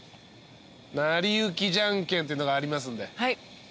「なりゆきじゃんけん」っていうのがありますんで。